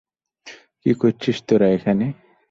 কী করছিস তোরা এখানে?